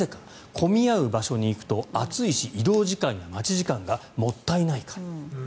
混み合う場所に行くと、暑いし移動時間や待ち時間がもったいないから。